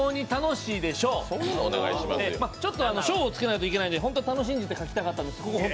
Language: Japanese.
賞をつけないといけないんで、本当は楽信二ってつけたかったんですけど。